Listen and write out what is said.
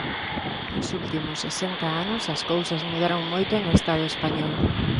Nos últimos sesenta anos as cousas mudaron moito no Estado español.